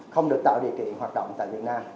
không được tạo điều kiện hoạt động tại việt nam